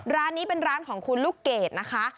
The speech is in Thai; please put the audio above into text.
ร้านนี้เป็นร้านของคุณลูกเกดนะคะ